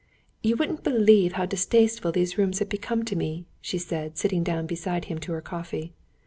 "You wouldn't believe how distasteful these rooms have become to me," she said, sitting down beside him to her coffee.